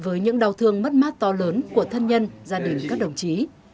với những đau thương mất mát to lớn của thân nhân gia đình các đồng chí